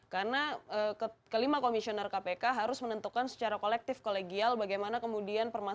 karena kelima komisioner kpk harus menentukan secara kolektif kolegial bagaimana kemudian berhasil